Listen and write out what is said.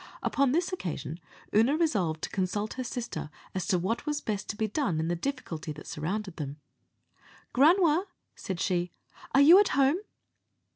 Upon this occasion Oonagh resolved to consult her sister as to what was best to be done in the difficulty that surrounded them. "Granua," said she, "are you at home?"